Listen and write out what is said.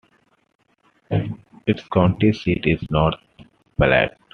Its county seat is North Platte.